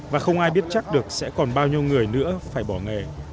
và không ai biết chắc được sẽ còn bao nhiêu người nữa phải bỏ nghề